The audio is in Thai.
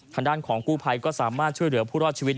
ทางด้านของกู้ภัยก็สามารถช่วยเหลือผู้รอดชีวิต